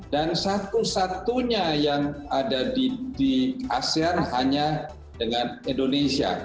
dan satu satunya yang ada di asean hanya dengan indonesia